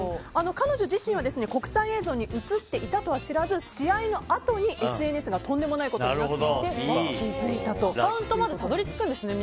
彼女自身は国際映像に映っていたとは知らず試合のあとにＳＮＳがとんでもないことになっていてちゃんとたどり着くんですね